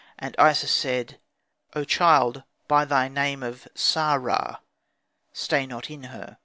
And Isis said, "O child, by thy name of Sah ra, stay not in her."